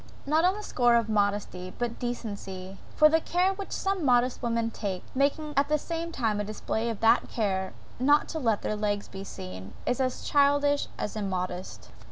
Not on the score of modesty, but decency; for the care which some modest women take, making at the same time a display of that care, not to let their legs be seen, is as childish as immodest.